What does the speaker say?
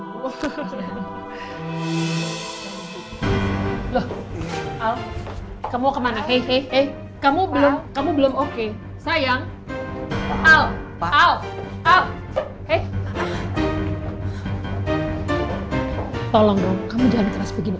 tolong dong kamu jangan keras begini al